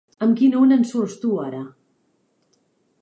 ¿Amb quina una ens surts tu ara?